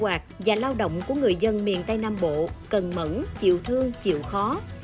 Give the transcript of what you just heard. đời sống sinh hoạt và lao động của người dân miền tây nam bộ cần mẫn chịu thương chịu khó